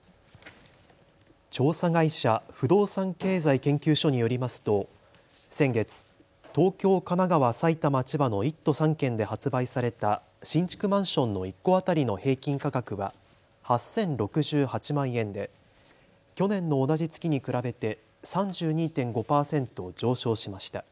調査会社、不動産経済研究所によりますと先月、東京、神奈川、埼玉、千葉の１都３県で発売された新築マンションの１戸当たりの平均価格は８０６８万円で去年の同じ月に比べて３２．５％上昇しました。